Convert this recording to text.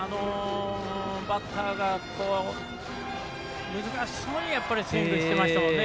バッターが難しそうにスイングしてましたもんね。